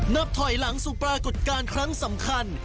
นับถอยหลังสู่ปรากฏการณ์ครั้งสำคัญ